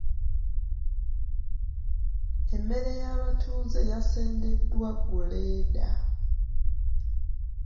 Emmere y’abatuuze yasendeddwa gguleeda.